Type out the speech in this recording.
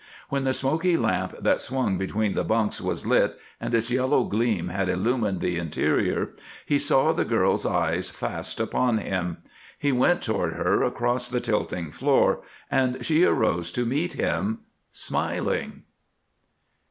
When the smoky lamp that swung between the bunks was lit and its yellow gleam had illumined the interior he saw the girl's eyes fast upon him. He went toward her across the tilting floor and she arose to meet him, smiling.